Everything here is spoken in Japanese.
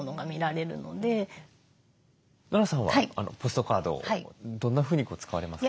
ノラさんはポストカードをどんなふうに使われますか？